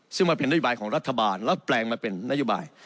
ซึ่งมันเป็นนโยบายของรัฐบาลแล้วแปลงมาเป็นนโยบาย